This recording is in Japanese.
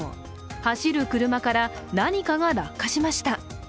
走る車から何かが落下しました。